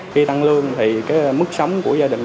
khi tăng lương thì cái mức sống của gia đình